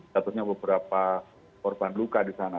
jatuhnya beberapa korban luka di sana